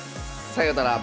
さようなら。